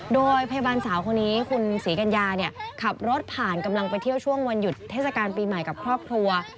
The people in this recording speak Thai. โดยพยาบาลสาวคนนี้คุณศรีกัญญาเนี่ยขับรถผ่านกำลังไปเที่ยวช่วงวันหยุดเทศกาลปีใหม่กับครอบครัว